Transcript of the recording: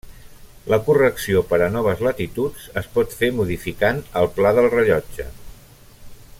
La correcció per a noves latituds es pot fer modificant el pla del rellotge.